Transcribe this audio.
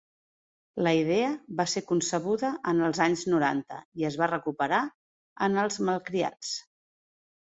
La idea va ser concebuda en els anys noranta i es va recuperar en els malcriats.